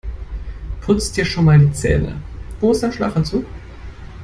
Putz dir schon mal die Zähne. Wo ist dein Schlafanzug?